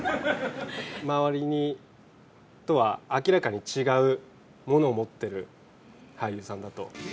周りとは明らかに違うものを持ってる俳優さんだと。